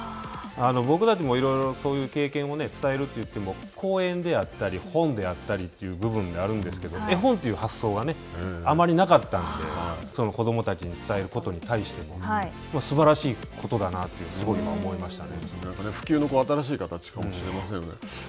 僕たちもいろいろそういう経験を伝えるといっても講演であったり、本であったりという部分であるんですけど絵本という発想はあまりなかったんで、子どもたちに伝えることに対してすばらしいことだなと、すごい今思いましたね。